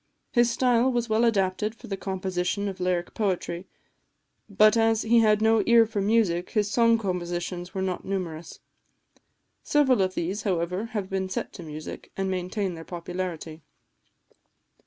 His style was well adapted for the composition of lyric poetry; but as he had no ear for music, his song compositions are not numerous. Several of these, however, have been set to music, and maintain their popularity.